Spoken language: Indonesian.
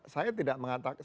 saya tidak mengatakan